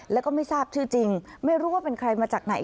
แล้วก็ไม่ทราบชื่อจริงไม่รู้ว่าเป็นใครมาจากไหน